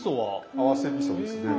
合わせみそですね。